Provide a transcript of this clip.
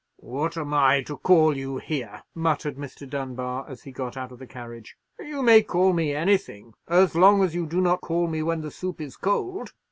"What am I to call you here?" muttered Mr. Dunbar, as he got out of the carriage. "You may call me anything; as long as you do not call me when the soup is cold.